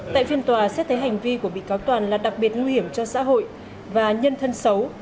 tại phiên tòa xét thấy hành vi của bị cáo toàn là đặc biệt nguy hiểm cho xã hội và nhân thân xấu